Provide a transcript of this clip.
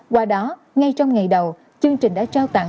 qua đó ngay trong ngày đầu chương trình đã trao tặng